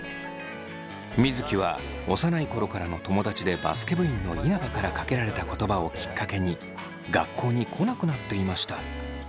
水城は幼い頃からの友達でバスケ部員の稲葉からかけられた言葉をきっかけに学校に来なくなっていました。